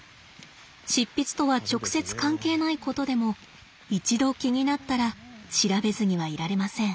執筆とは直接関係ないことでも一度気になったら調べずにはいられません。